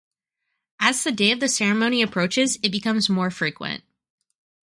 As the day of the ceremony approaches it becomes more frequent.